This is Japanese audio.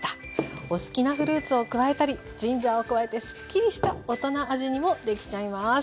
お好きなフルーツを加えたりジンジャーを加えてすっきりした大人味にもできちゃいます。